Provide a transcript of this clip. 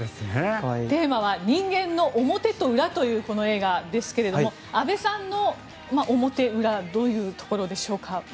テーマは人間の表と裏というこの映画ですが阿部さんの表と裏どういうところでしょうか。